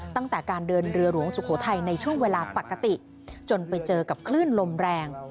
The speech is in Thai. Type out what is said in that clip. ตั้งแต่การเดินเรือหลวงสุโขทัยในช่วงเวลาปกติจนไปเจอกับคลื่นลมแรง